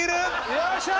よっしゃ！